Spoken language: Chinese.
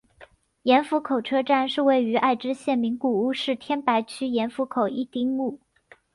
盐釜口车站是位于爱知县名古屋市天白区盐釜口一丁目。